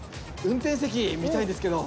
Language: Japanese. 運転席見たいんですけど。